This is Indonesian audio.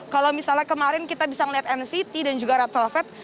kalau misalnya kemarin kita bisa melihat nct dan juga rappelvet